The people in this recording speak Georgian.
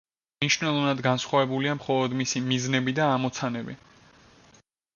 მნიშვნელოვნად განსხვავებულია მხოლოდ მისი მიზნები და ამოცანები.